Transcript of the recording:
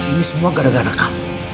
ini semua gara gara kami